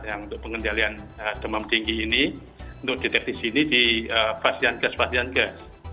yang untuk pengendalian demam tinggi ini untuk detek di sini di pasien gas pasien gas